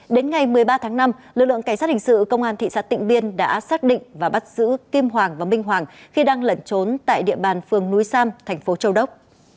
đến ngày một mươi ba tháng năm lực lượng cảnh sát hình sự công an thị xã tịnh biên đã xác định và bắt giữ kim hoàng và minh hoàng khi đang lẩn trốn tại địa bàn phường núi sam thành phố châu đốc